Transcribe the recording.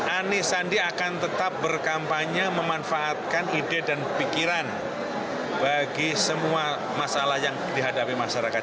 anies sandi akan tetap berkampanye memanfaatkan ide dan pikiran bagi semua masalah yang dihadapi masyarakat